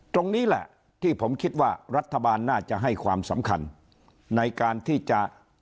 ตรงนี้แหละที่ผมคิดว่ารัฐบาลน่าจะให้ความสำคัญในการที่จะ